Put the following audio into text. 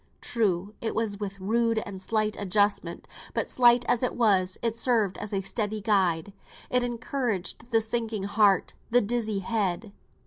True, it was with rude and slight adjustment: but, slight as it was, it served as a steadying guide; it encouraged the sinking heart, the dizzy head.